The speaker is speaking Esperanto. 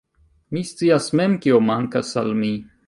Mi scias mem, kio mankas al mi.